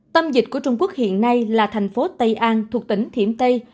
tâm dịch của trung quốc hiện nay là thành phố tây an thuộc tỉnh thiểm tây